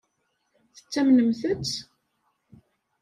Tettamnemt-t?